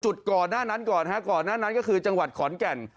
จุดก่อนหน้านั้นก่อนฮะก่อนหน้านั้นก็คือจังหวัดขอนแก่น